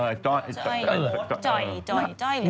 เออจ่อยจ่อยใจ